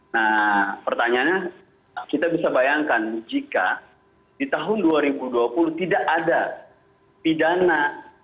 nah pertanyaannya kita bisa bayangkan jika di tahun dua ribu dua puluh tidak ada pidana